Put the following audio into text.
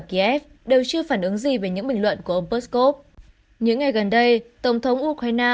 kiev đều chưa phản ứng gì về những bình luận của ông poskov những ngày gần đây tổng thống ukraine